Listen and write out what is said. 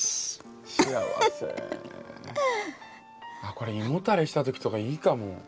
これ胃もたれした時とかいいかも。